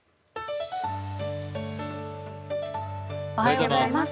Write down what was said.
おはようございます。